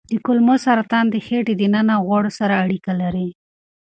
د کولمو سرطان د خېټې دننه غوړو سره اړیکه لري.